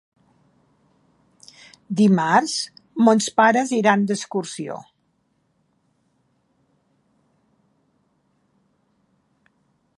Dimarts mons pares iran d'excursió.